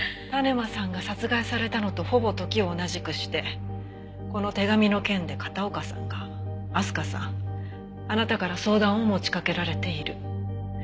田沼さんが殺害されたのとほぼ時を同じくしてこの手紙の件で片岡さんが明日香さんあなたから相談を持ちかけられている。